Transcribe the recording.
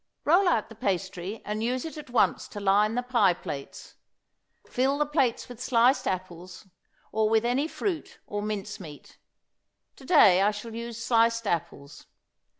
Roll out the pastry and use it at once to line the pie plates. Fill the plates with sliced apples, or with any fruit or mince meat. To day I shall use sliced apples.